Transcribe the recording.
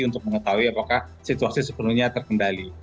untuk mengetahui apakah situasi sepenuhnya terkendali